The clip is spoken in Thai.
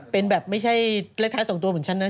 เป็นแบบไม่ใช่เลขท้าย๒ตัวเหมือนฉันนะ